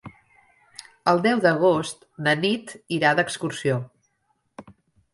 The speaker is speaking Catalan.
El deu d'agost na Nit irà d'excursió.